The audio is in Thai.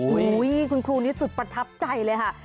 คุณครูนี้สุดประทับใจเลยค่ะ